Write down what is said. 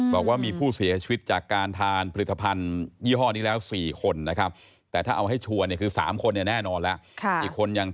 บอกว่ามีผู้เสียชีวิตจากการทานพริธภัณฑ์ยี่ห้อนี้แล้ว๔คน